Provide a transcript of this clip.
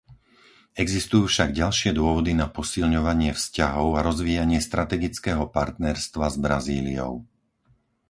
Existujú však ďalšie dôvody na posilňovanie vzťahov a rozvíjanie strategického partnerstva s Brazíliou.